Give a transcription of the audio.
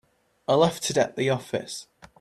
I left it at the office.